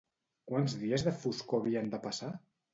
Quants dies de foscor havien de passar?